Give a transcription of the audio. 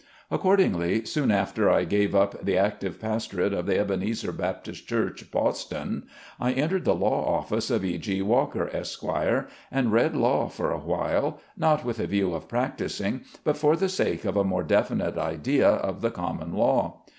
Accordingly, soon after I gave up the active pas torate of the Ebenezer Baptist Church, Boston, I entered the law office of E. G. Walker, Esq., and read law for a while, not with a view of practicing, but for the sake of a more definite idea of the com mon law.